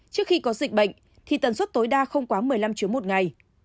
trước khi có dịch bệnh thì tần suất tối đa không quá một mươi năm chuyến một ngày